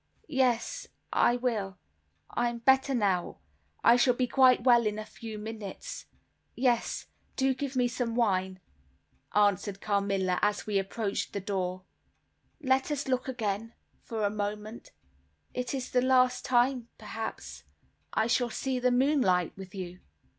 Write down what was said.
"Yes. I will. I'm better now. I shall be quite well in a few minutes. Yes, do give me a little wine," answered Carmilla, as we approached the door. "Let us look again for a moment; it is the last time, perhaps, I shall see the moonlight with you."